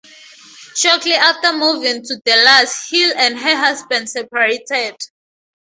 Shortly after moving to Dallas, Hill and her husband separated.